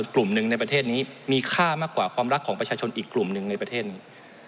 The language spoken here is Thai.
กลุ่มหนึ่งในประเทศนี้มีค่ามากกว่าความรักของประชาชนอีกกลุ่มหนึ่งในประเทศนี้